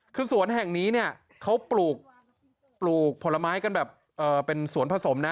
คือสวนแห่งนี้เนี่ยเขาปลูกผลไม้กันแบบเป็นสวนผสมนะ